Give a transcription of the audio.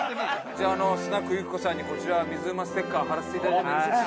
じゃあスナック雪子さんにこちら水うまステッカー貼らせていただいてもいいでしょうか。